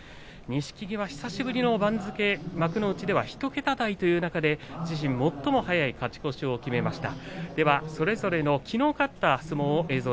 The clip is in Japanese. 錦木は番付が幕内１桁台という中で自身、最も早い勝ち越しを決めました。